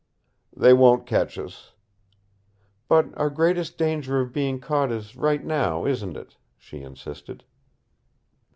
"They won't catch us." "But our greatest danger of being caught is right now, isn't it?" she insisted.